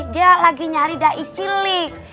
dia lagi nyari dai cilik